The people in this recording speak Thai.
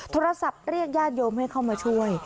โทรศัพท์เรียกญาติโยมให้เข้ามาช่วย